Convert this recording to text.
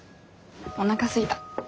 おなかすいた。